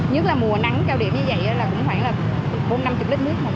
nhất là mùa nắng cao điểm như vậy là cũng khoảng là bốn mươi năm mươi lít nước